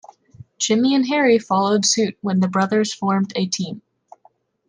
Jimmy and Harry followed suit when the brothers formed a team.